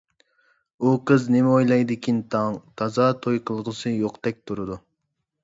ئۇ قىز نېمە ئويلايدىكىن تاڭ، تازا توي قىلغۇسى يوقتەك تۇرىدۇ.